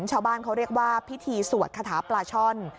ชาวบ้านเขาเรียกว่าพิธีสวดคาถาปลาช่อน